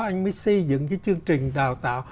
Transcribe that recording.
anh mới xây dựng cái chương trình đào tạo